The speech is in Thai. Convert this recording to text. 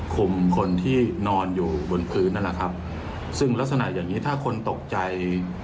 คนที่นอนอยู่บนพื้นนั่นแหละครับซึ่งลักษณะอย่างนี้ถ้าคนตกใจ